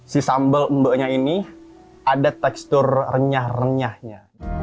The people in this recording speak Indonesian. si sambal mba nya ini ada tekstur renyah renyahnya